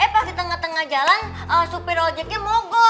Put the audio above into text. eh pas di tengah tengah jalan supir ojeknya mogok